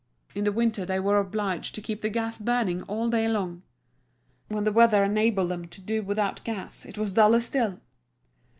In the winter they were obliged to keep the gas burning all day long. When the weather enabled them to do without gas it was duller still.